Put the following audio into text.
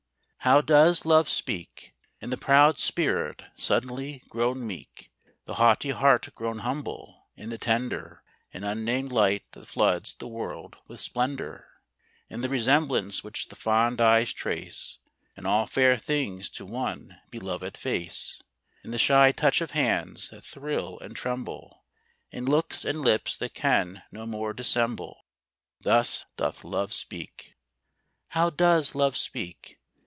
How does Love speak? In the proud spirit suddenly grown meek The haughty heart grown humble; in the tender And unnamed light that floods the world with splendor; In the resemblance which the fond eyes trace In all fair things to one beloved face; In the shy touch of hands that thrill and tremble; In looks and lips that can no more dissemble Thus doth Love speak. How does Love speak?